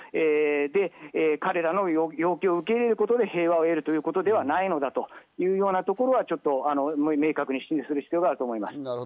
で、彼らの要求を受け入れることで、平和になるというのではないということがちょっと明確にする必要があると思います。